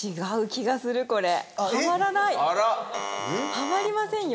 はまりませんよ。